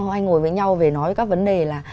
hay ngồi với nhau về nói về các vấn đề là